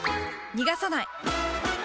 逃がさない！